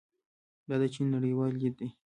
دا د چین نړیوال لید دی.